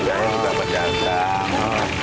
saya juga pedagang